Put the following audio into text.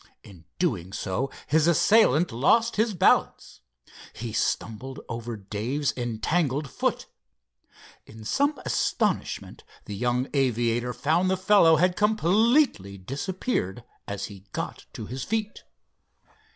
In doing so his assailant lost his balance. He stumbled over Dave's entangled foot. In some astonishment the young aviator found the fellow had completely disappeared as he got to his feet.